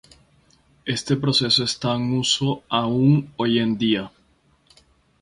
Este proceso está en uso aún hoy en día.